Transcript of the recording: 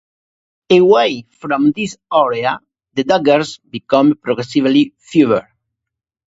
Away from this area, the daggers become progressively fewer.